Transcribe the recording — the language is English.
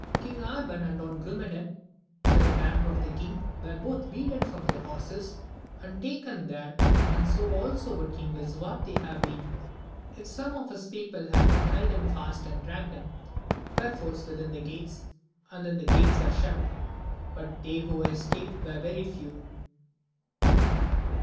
King Arban and Don Grume dan with the banner of the king, were both beaten from their horses, and taken there, and so also would King Lisuarte himself have been, if some of his people had not held him fast, and dragged him perforce within the gates, and then the gates were shut ; but they who escaped were very few.